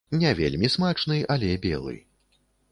Не вельмі смачны, але белы.